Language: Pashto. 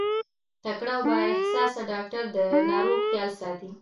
تکړه او با احساسه ډاکټر د ناروغ خيال ساتي.